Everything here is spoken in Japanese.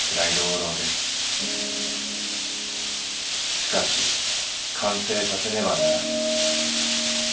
しかし完成させねばならぬ。